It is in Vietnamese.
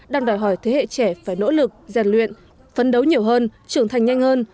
đang đòi hỏi thế hệ trẻ phải nỗ lực gian luyện phấn đấu nhiều hơn trưởng thành nhanh hơn